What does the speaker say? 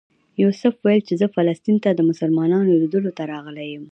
یوسف ویل چې زه فلسطین ته د مسلمانانو لیدلو ته راغلی یم.